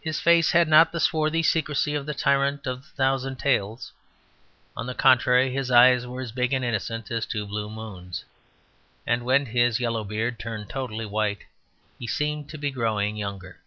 His face had not the swarthy secrecy of the tyrant of the thousand tales; on the contrary, his eyes were as big and innocent as two blue moons; and when his yellow beard turned totally white he seemed to be growing younger.